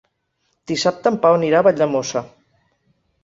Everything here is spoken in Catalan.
Dissabte en Pau anirà a Valldemossa.